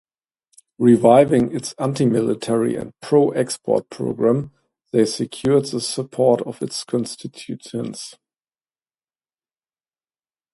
Reviving its antimilitary and pro-export program, they secured the support of its constituents.